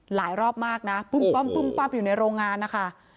หลายรอบมากนะปุ้มปั้มอยู่ในโรงงานนะคะ